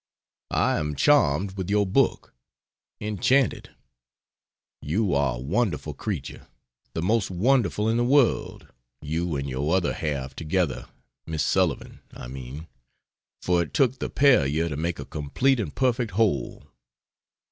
I am charmed with your book enchanted. You are a wonderful creature, the most wonderful in the world you and your other half together Miss Sullivan, I mean, for it took the pair of you to make a complete and perfect whole.